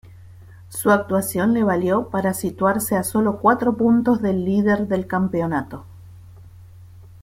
Su actuación le valió para situarse a solo cuatro puntos del líder del campeonato.